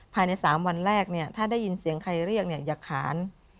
ภายใน๓วันแรกถ้าได้ยินเสียงใครเรียกเนี่ยอย่าขาน